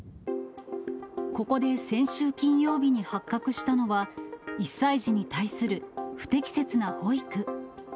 ここで先週金曜日に発覚したのは、１歳児に対する不適切な保育。